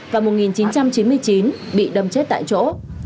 và một nghìn chín trăm chín mươi chín bị đâm chết tại chỗ